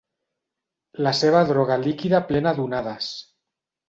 La seva droga líquida plena d'onades.